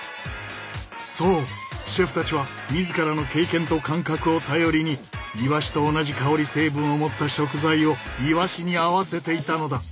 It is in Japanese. そうシェフたちは自らの経験と感覚を頼りにイワシと同じ香り成分を持った食材をイワシに合わせていたのだ。